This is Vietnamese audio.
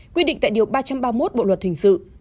quy định tại điều ba trăm ba mươi một bộ luật hình sự